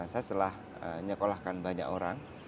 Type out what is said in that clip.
saya telah menyekolahkan banyak orang